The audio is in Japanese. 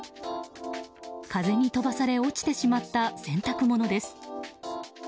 風に飛ばされ落ちてしまった洗濯物です。